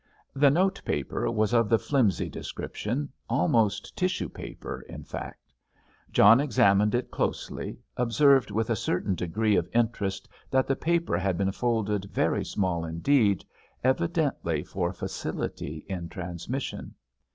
The note paper was of the flimsy description, almost tissue paper, in fact. John, examining it closely, observed with a certain degree of interest that the paper had been folded very small indeed, evidently for facility in transmission.